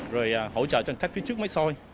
rồi hỗ trợ cho hành khách phía trước máy soi